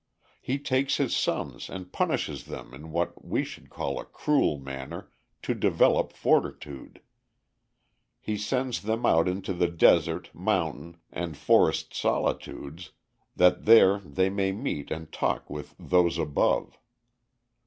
He takes his sons and punishes them in what we should call a cruel manner to develop fortitude; he sends them out into the desert, mountain, and forest solitudes that there they may meet and talk with Those Above.